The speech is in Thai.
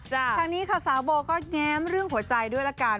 ทางนี้ค่ะสาวโบก็แง้มเรื่องหัวใจด้วยละกัน